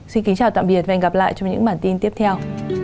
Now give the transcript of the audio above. xin kính chào tạm biệt và hẹn gặp lại trong những bản tin tiếp theo